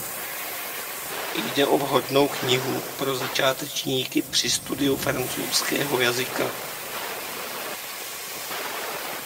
Jde o vhodnou knihu pro začátečníky při studiu francouzského jazyka.